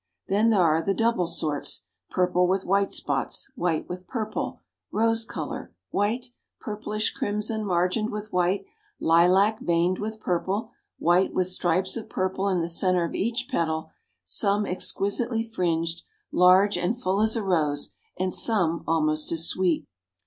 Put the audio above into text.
Then there are the double sorts; purple with white spots, white with purple; rose color, white, purplish crimson margined with white; lilac veined with purple; white with stripes of purple in the center of each petal, some exquisitely fringed; large and full as a rose, and some almost as sweet.